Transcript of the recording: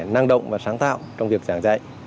năng động và sáng tạo trong việc giảng dạy